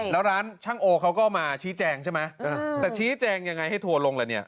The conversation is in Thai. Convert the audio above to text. แล้วร้านช่างโอเขาก็มาชี้แจงใช่ไหมแต่ชี้แจงยังไงให้ทัวร์ลงละเนี่ย